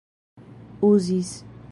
uzis